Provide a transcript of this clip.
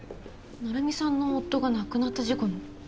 成海さんの夫が亡くなった事故の。